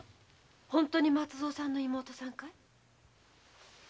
本当に松造さんの妹さんかい？